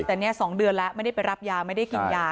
แต่นี่๒เดือนแล้วไม่ได้ไปรับยาไม่ได้กินยา